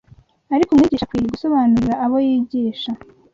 Ariko umwigisha akwiriye gusobanurira abo yigisha